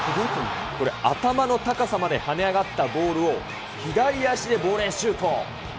これ、頭の高さまで跳ね上がったボールを左足でボレーシュート。